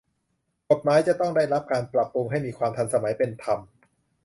กฎหมายจะต้องได้รับการปรับปรุงให้มีความทันสมัย เป็นธรรม